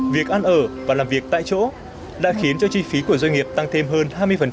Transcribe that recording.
việc ăn ở và làm việc tại chỗ đã khiến cho chi phí của doanh nghiệp tăng thêm hơn hai mươi